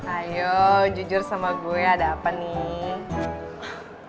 ayo jujur sama gue ada apa nih